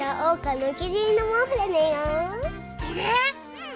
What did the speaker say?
うん。